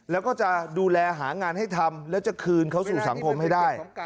แล้วก็จะดูแลหางานให้ทำแล้วจะคืนเขาสู่สังคมให้ได้